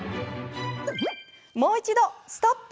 もう一度ストップ！